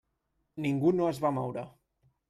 Ningú no es va moure.